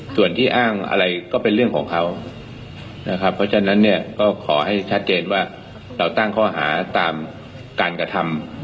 ส่วนที่อ้างอะไรก็เป็นเรื่องของเขานะครับเพราะฉะนั้นเนี่ยก็ขอให้ชัดเจนว่าเราตั้งข้อหาตามการกระทำ